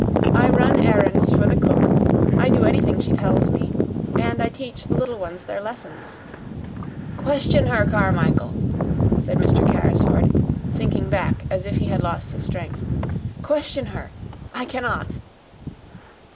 "I run errands for the cook I do anything she tells me; and I teach the little ones their lessons." "Question her, Carmichael," said Mr. Carrisford, sinking back as if he had lost his strength. "Question her; I cannot."